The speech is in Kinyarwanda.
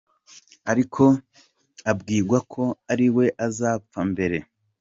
Ariko abwigwa ko ariwe azapfa mbere.